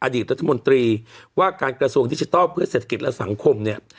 อดีตรัฐมนตรีว่าการกระทรวงดิจิทัลเพื่อเศรษฐกิจและสังคมเนี่ย